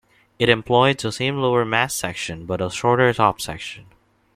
It employed the same lower mast section, but a shorter top section.